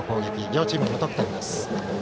両チーム、無得点です。